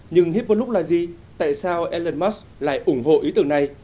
nhưng hyperloop là gì tại sao elon musk lại ủng hộ ý tưởng này